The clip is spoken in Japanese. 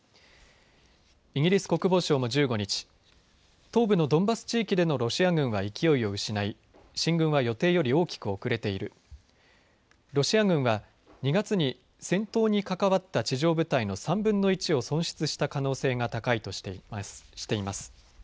イギリス国防省も１５日東部のドンバス地域でのロシア軍は勢いを失い進軍は予定より大きく遅れているロシア軍は、２月に戦闘に関わった地上部隊の３分の１を損失した可能性が高いとしています。